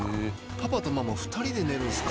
パパとママ２人で寝るんですか？